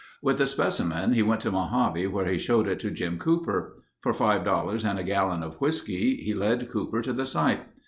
With a specimen, he went to Mojave where he showed it to Jim Cooper. For five dollars and a gallon of whiskey he led Cooper to the site.